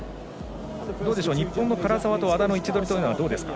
日本の唐澤と和田の位置取りはどうですか？